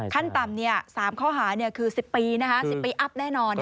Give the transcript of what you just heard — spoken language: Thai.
ขั้นต่ำ๓ข้อหาคือ๑๐ปี๑๐ปีอัพแน่นอน